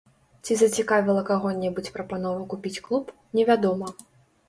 Ці зацікавіла каго-небудзь прапанова купіць клуб, невядома.